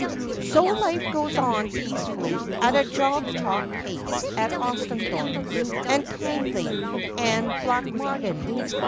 ##* So life goes on peacefully, at a jog trot pace, at Austhorpe, and Tangley, and Blatchmardean.